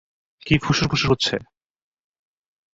কি ফুসুর ফুসুর হচ্ছে?